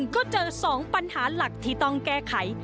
ก็เจอ๒ปัญหาหลักที่ต้องแก้ไข